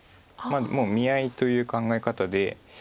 もう見合いという考え方で。